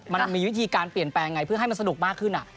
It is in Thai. มันมีวิธีการเปลี่ยนแปลงไงเพื่อให้มันสนุกมากขึ้น